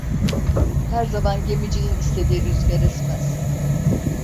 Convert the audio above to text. Her zaman gemicinin istediği rüzgar esmez.